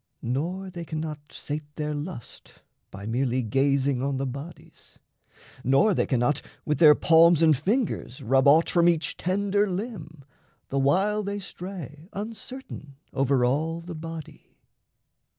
Nor they cannot sate their lust By merely gazing on the bodies, nor They cannot with their palms and fingers rub Aught from each tender limb, the while they stray Uncertain over all the body.